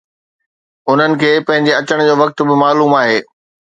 انهن کي پنهنجي اچڻ جو وقت به معلوم آهي